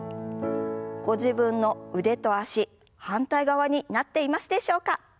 ご自分の腕と脚反対側になっていますでしょうか？